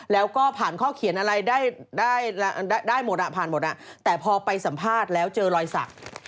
แล้วก็ผ่านข้อเขียนอะไรได้หมดแต่พอไปสัมภาษณ์แล้วเจอรอยศักดิ์